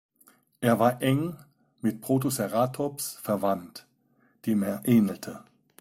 Er war eng mit "Protoceratops" verwandt, dem er ähnelte.